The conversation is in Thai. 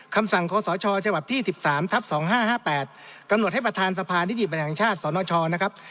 คำสั่งคศฉบับที่๑๓ทับ๒๕๕๘กำหนดให้ประธานสภานิติบัญแห่งชาติสนชนะครับ